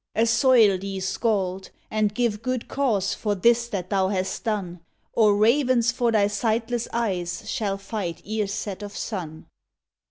"Assoil thee, skald! and give good cause For this that thou hast done, Or ravens for thy sightless eyes Shall fight ere set of sun!"